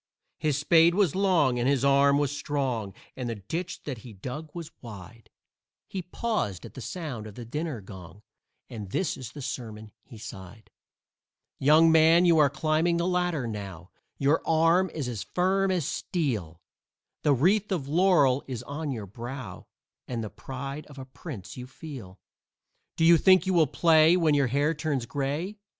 His spade was long and his arm was strong, And the ditch that he dug was wide; He paused at the sound of the dinner gong And this is the sermon he sighed: "Young man, you are climbing the ladder now Your arm is as firm as steel; The wreath of laurel is on your brow And the pride of a prince you feel. Do you think you will play when your hair turns gray?